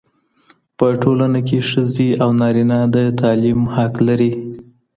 په ټولنه کي ښځې او نارينه د تعليم حق لري.